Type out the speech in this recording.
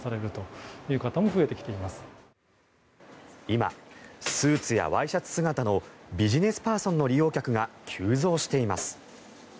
今スーツやワイシャツ姿のビジネスパーソンの利用客が急増しています。